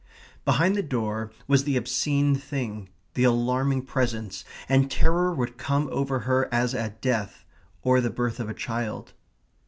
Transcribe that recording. Behind the door was the obscene thing, the alarming presence, and terror would come over her as at death, or the birth of a child.